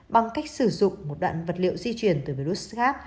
bằng cách sử dụng một đoạn vật liệu di chuyển từ virus khác